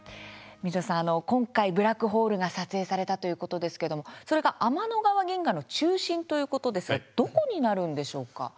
水野さん、今回ブラックホールが撮影されたということですけれどもそれが天の川銀河の中心ということですがどこになるんでしょうか？